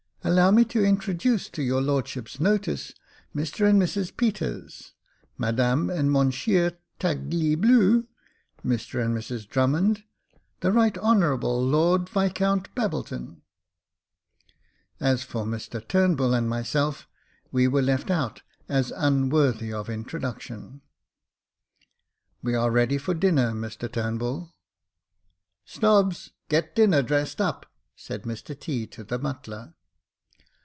Allow me to introduce to your lordship's notice, Mr and Mrs Peters — Madame and Mounsheer Tagleebue — Mr and Mrs Drummond, the Right Honourable Lord Viscount Babbleton." As for Mr Turnbull and myself, we were left out, as unworthy of introduction. " We ai e ready for dinner, Mr Turnbull." " Snobbs, get dinner dressed up," said Mr T. to the butler.